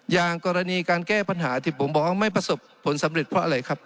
อย่างกรณีการแก้ปัญหาที่ผมบอกว่าไม่ประสบผลสำเร็จเพราะอะไรครับ